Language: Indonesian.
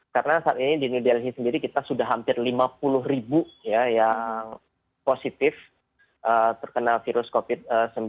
karena saat ini di new delhi sendiri kita sudah hampir lima puluh ribu ya yang positif terkena virus covid sembilan belas